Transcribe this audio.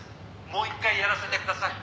「もう一回やらせてください」